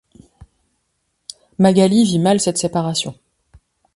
Magalie vit mal cette séparation.